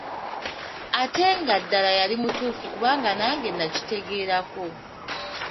Ate nga ddala yali mutuufu, kubanga nange nakitegeera ko.